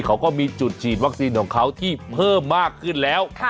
เขาก็มีจุดฉีดวัคซีนของเขาที่เพิ่มมากขึ้นแล้ว